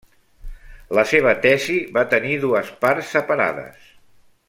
La seva tesi va tenir dues parts separades.